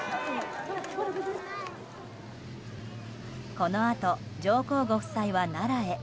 このあと上皇ご夫妻は奈良へ。